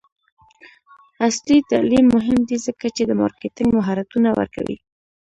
عصري تعلیم مهم دی ځکه چې د مارکیټینګ مهارتونه ورکوي.